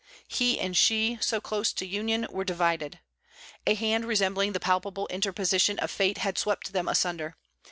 He and she, so close to union, were divided. A hand resembling the palpable interposition of Fate had swept them asunder.